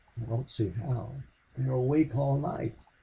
"I don't see how. They are awake all night.